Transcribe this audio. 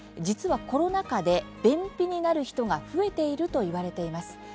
実はコロナ禍で便秘になる人が増えているといわれています。